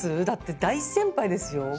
だって大先輩ですよ。